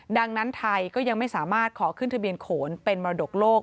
ดังนั้นไทยก็ยังไม่สามารถขอขึ้นทะเบียนโขนเป็นมรดกโลก